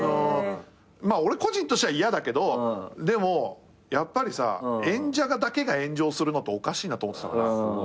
まあ俺個人としては嫌だけどでもやっぱりさ演者だけが炎上するのっておかしいなと思ってたから。